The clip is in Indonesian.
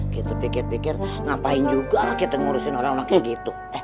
kita pikir pikir ngapain juga lah kita ngurusin orang orang kayak gitu